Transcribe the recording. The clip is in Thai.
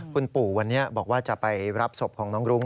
คุณปู่วันนี้บอกว่าจะไปรับศพของน้องรุ้ง